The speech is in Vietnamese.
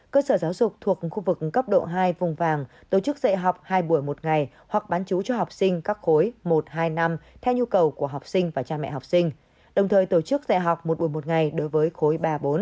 cơ sở giáo dục thuộc khu vực cấp độ hai vùng vàng tổ chức dạy học hai buổi một ngày hoặc bán chú cho học sinh các khối một hai năm theo nhu cầu của học sinh và cha mẹ học sinh đồng thời tổ chức dạy học một buổi một ngày đối với khối ba bốn